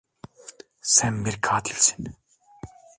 Sen bir katilsin!